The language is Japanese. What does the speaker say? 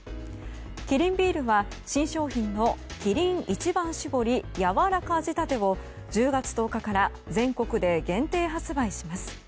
キリンビールは新商品のキリン一番搾りやわらか仕立てを１０月１０日から全国で限定発売します。